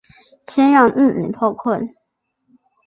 先让自己脱困